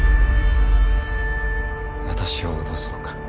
私を脅すのか？